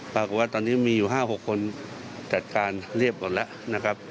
แต่ว่าตอนนี้มีอยู่๕๖คนจัดการเรียบก่อนแล้ว